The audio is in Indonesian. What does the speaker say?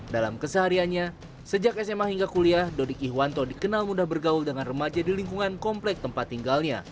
dalam kesehariannya sejak sma hingga kuliah dodik ihwanto dikenal mudah bergaul dengan remaja di lingkungan komplek tempat tinggalnya